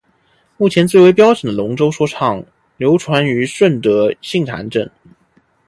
目前最为标准的龙舟说唱流传于顺德杏坛镇。